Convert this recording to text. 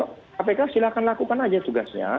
kpk silahkan lakukan aja tugasnya